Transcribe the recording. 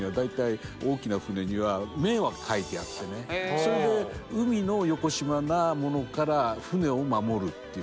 それで海のよこしまなものから船を守るっていう。